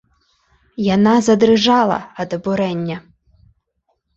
Яна задрыжала ад абурэння.